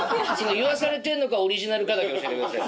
言わされてんのかオリジナルかだけ教えてください。